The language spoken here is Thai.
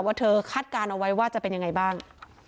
ว่าเธอคาดการณ์เอาไว้ว่าจะเป็นยังไงบ้าง